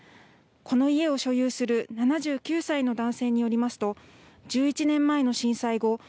この家を所有する７９歳の男性によりますと１１年前の震災後